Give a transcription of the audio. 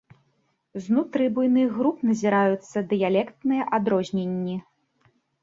Знутры буйных груп назіраюцца дыялектныя адрозненні.